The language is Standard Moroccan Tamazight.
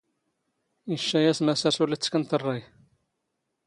ⵉⵛⵛⴰ ⴰⵙ ⵎⴰⵙ ⴰⵔ ⵙⵓⵍ ⵉⵜⵜⴽⵏⵟⵕⵕⴰⵢ.